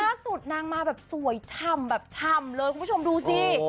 ล่าสุดนางมาแบบสวยช่ำแบบช่ำเลยคุณผู้ชมดูซิ